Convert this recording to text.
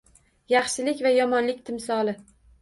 Yaxshilik va yomonlik timsoli